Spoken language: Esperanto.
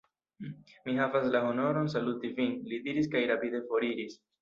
Mi havas la honoron saluti vin, li diris kaj rapide foriris.